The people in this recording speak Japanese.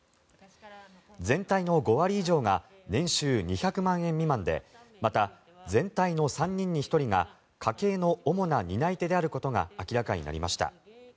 全体の５割以上が年収２００万円未満でまた、全体の３人に１人が家計の主な担い手であることが明らかになりました。